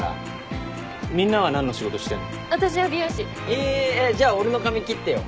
えじゃあ俺の髪切ってよ。